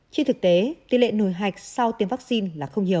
trên thực tế tỷ lệ nổi hạch sau tiêm vaccine là không nhiều